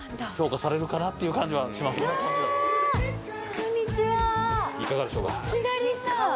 こんにちは。